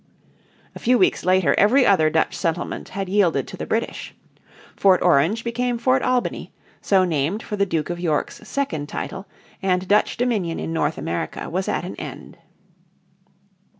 A few weeks later every other Dutch settlement had yielded to the British. Fort Orange became Fort Albany, so named for the Duke of York's second title, and Dutch dominion in North America was at an end.